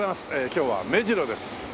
今日は目白です。